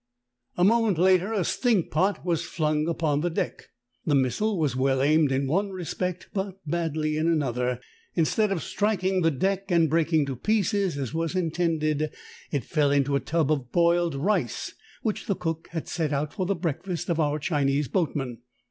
') A moment later a stink pot was flung upon the deck. "The missile was well aimed in one respect, but badl}" in another. Instead of striking the deck and breaking to pieces, as was intended, it fell into a tub of boiled rice which the cook had set out for the breakfast of our Chinese boatmen.